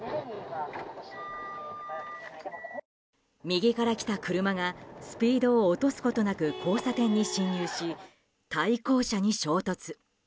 右から来た車が、スピードを落とすことなく交差点に進入し対向車に衝突。